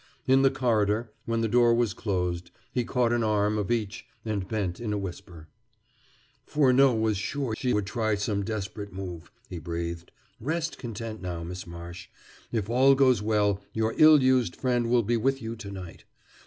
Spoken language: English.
In the corridor, when the door was closed, he caught an arm of each and bent in a whisper. "Furneaux was sure she would try some desperate move," he breathed. "Rest content now, Miss Marsh. If all goes well, your ill used friend will be with you to night.